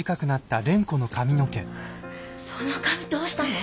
その髪どうしたの？